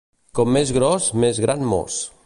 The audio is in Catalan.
Com més gros més gran mos.